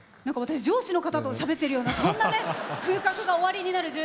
上司の方としゃべってるようなそんな風格がおありになる。